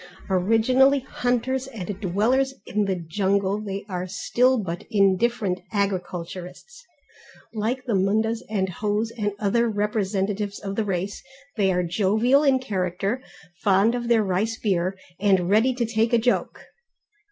Originally hunters and dwellers in the jungle they are still but indifferent agriculturists. Like the Mundas and Hos and other representatives of the race, they are jovial in character, fond of their rice beer, and ready to take a joke.